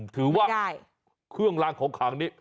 ถือว่าเครื่องล้างของขังนี้